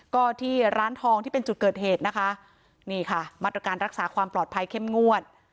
ก็ที่ร้านทองที่เป็นจุดเกิดเหตุนะคะนี่ค่ะมาตรการรักษาความปลอดภัยเข้มงวด